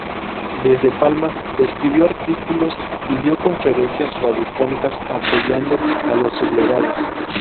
Desde Palma escribió artículos y dio conferencias radiofónicas apoyando a los sublevados.